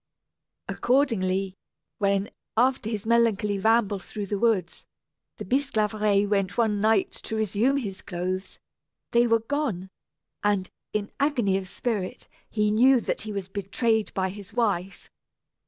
Accordingly, when, after his melancholy ramble through the woods, the Bisclaveret went one night to resume his clothes, they were gone; and, in agony of spirit, he knew that he was betrayed by his wife.